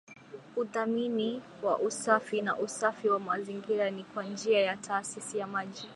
Udhamini wa usafi na usafi wa mazingira ni kwa njia ya taasisi ya maji